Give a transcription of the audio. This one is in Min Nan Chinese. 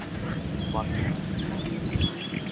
磨鏡的